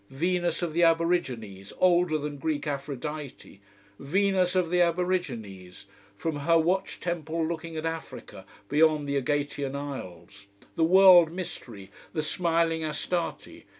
Venus of the aborigines, older than Greek Aphrodite. Venus of the aborigines, from her watch temple looking at Africa, beyond the Egatian isles. The world mystery, the smiling Astarte.